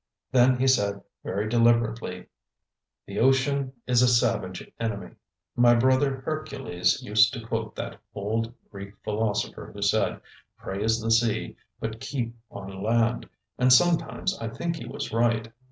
Then he said, very deliberately: "The ocean is a savage enemy. My brother Hercules used to quote that old Greek philosopher who said, 'Praise the sea, but keep on land.' And sometimes I think he was right."